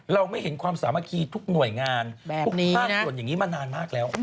เราไม่เห็นความสามัคคีทุกหน่วยงานทุกภาคส่วนอย่างนี้มานานมากแล้ว